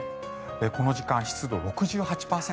この時間、湿度６８％